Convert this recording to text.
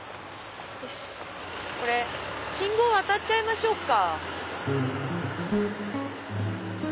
これ信号渡っちゃいましょうか。